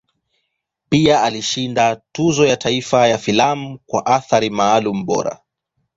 Pia alishinda Tuzo la Taifa la Filamu kwa Athari Maalum Bora.